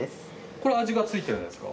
これ味がついてるんですか？